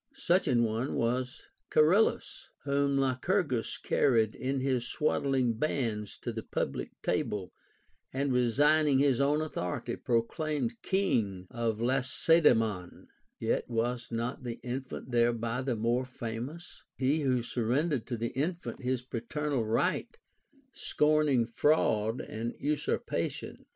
Such an one was Charillus, whom Lycurgus carried in his swaddling bands to the public table, and resigning his own authority proclaimed king of Lacedaemon. Yet was not the infant thereby tlic more famous, but he who surren dered to the infant his paternal right, scorning fraud and 500 OF THE FORTUNE OR VIRTUE usurpation.